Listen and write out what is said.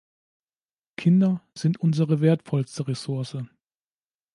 Kinder sind unsere wertvollste Ressource.